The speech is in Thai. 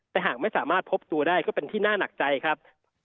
แต่หากไม่สามารถพบตัวได้ก็เป็นที่น่าหนักใจครับ